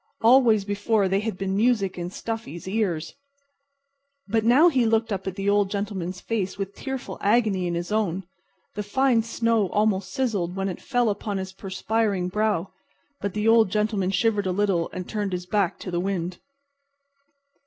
Always before they had been music in Stuffy's ears. But now he looked up at the Old Gentleman's face with tearful agony in his own. The fine snow almost sizzled when it fell upon his perspiring brow. But the Old Gentleman shivered a little and turned his back to the wind.